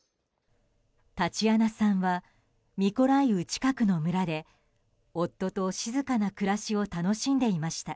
タチアナさんはミコライウ近くの村で夫と静かな暮らしを楽しんでいました。